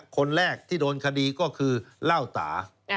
คนแรกที่โดนคดีก็คือเล่าตา